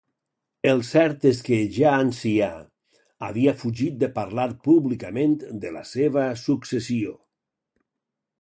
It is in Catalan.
El cert és que, ja ancià, havia fugit de parlar públicament de la seva successió.